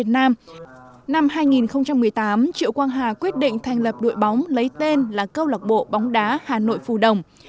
năm hai nghìn một mươi tám triệu quang hà quyết định thành lập đội bóng lấy tên là câu lạc bộ bóng đá hà nội phù đồng